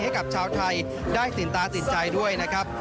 ให้กับชาวไทยได้สินตาสินใจด้วยนะครับ